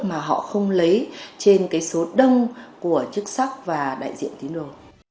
mà họ không lấy trên cái số đông của chức sắc và đại diện tín đồ